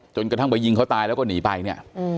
กระทั่งไปยิงเขาตายแล้วก็หนีไปเนี่ย